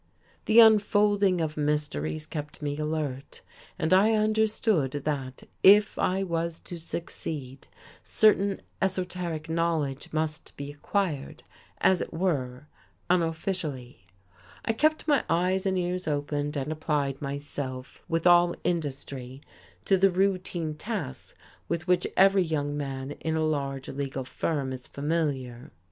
The unfolding of mysteries kept me alert. And I understood that, if I was to succeed, certain esoteric knowledge must be acquired, as it were, unofficially. I kept my eyes and ears open, and applied myself, with all industry, to the routine tasks with which every young man in a large legal firm is familiar.